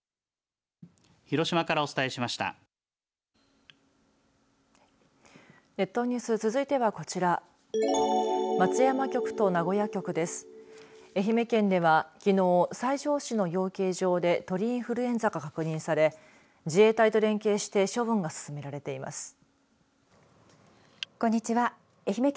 愛媛県では、きのう西条市の養鶏場で鳥インフルエンザが確認され自衛隊と連携して処分が進められています。